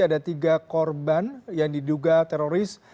ada tiga korban yang diduga teroris